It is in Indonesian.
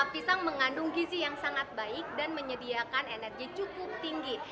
pisang mengandung gizi yang sangat baik dan menyediakan energi cukup tinggi